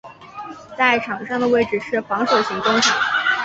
在场上的位置是防守型中场。